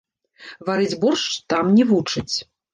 Варыць боршч там не вучаць.